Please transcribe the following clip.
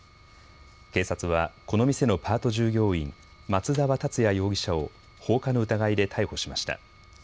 警察はこの店のパート従業員、松澤達也容疑者を放火の疑いで逮捕しました。